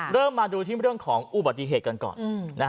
เริ่มมาดูที่เรื่องของอุบัติเหตุกันก่อน